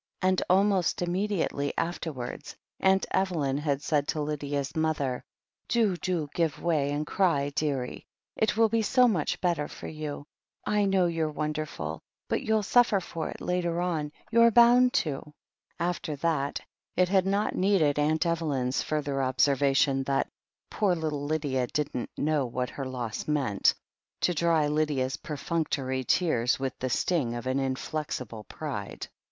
And almost immediately afterwards Aunt Evelyn had said to Lydia's mother : "Do, do give way and cry, dearie. It will be so much better for you. I know you're wonderful, but you'll suffer for it later on. You're bound to." After that it had not needed Aunt Evelyn's further THE HEEL OF ACHILLES 3 observation that "poor little Lydia didn't know what her loss meant" to dry Lydia's perfunctory tears with the sting of an inflexible pride.